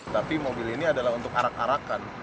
tapi mobil ini adalah untuk arak arakan